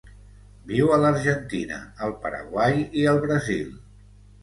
Viu a l'Argentina, el Paraguai i el Brasil.